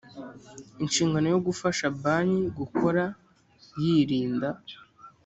inshingano yo gufasha banki gukora yirinda